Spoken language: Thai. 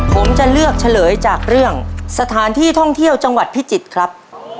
ผมจะเลือกเฉลยจากเรื่องสถานที่ท่องเที่ยวจังหวัดพิจิตรครับ